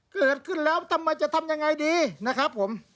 เกิดขึ้นแล้วทำไมจะทำยังไงดีนะครับผม